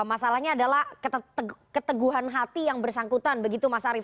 masalahnya adalah keteguhan hati yang bersangkutan begitu mas arief